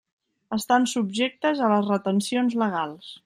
Estan subjectes a les retencions legals.